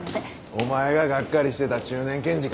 お前ががっかりしてた中年検事か。